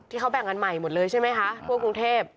ที่เขาแบ่งกันใหม่หมดเลยใช่ไหมคะทั่วกรุงเทพ